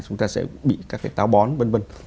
chúng ta sẽ bị các cái táo bón v v